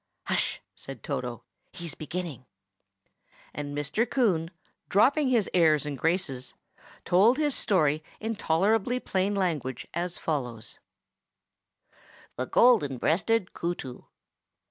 "Hush!" said Toto. "He's beginning!" And Mr. Coon, dropping his airs and graces, told his story in tolerably plain language, as follows:— THE GOLDEN BREASTED KOOTOO.